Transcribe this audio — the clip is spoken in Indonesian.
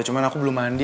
cuma aku belum mandi